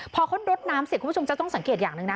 พอเขารดน้ำเสร็จคุณผู้ชมจะต้องสังเกตอย่างหนึ่งนะ